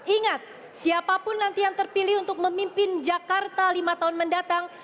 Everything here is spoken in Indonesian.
ingat siapapun nanti yang terpilih untuk memimpin jakarta lima tahun mendatang